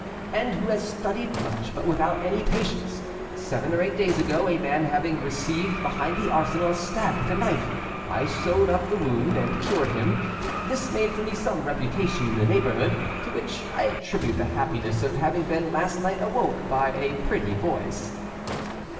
"And who has studied much, but without any patients. Seven or eight days ago, a man having received behind the Arsenal a stab with a knife, I sewed up the wound, and cured him. This made for me some reputation in the neighborhood, to which I attribute the happiness of having been last night awoke by a pretty voice."